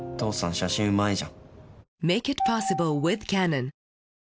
写真うまいじゃん。